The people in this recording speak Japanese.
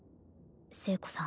清子さん